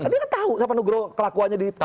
dia kan tahu siapa nugroho kelakuannya di selatan